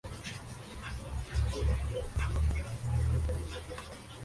El nuevo diseño tenía platas de oro en una correa blanca.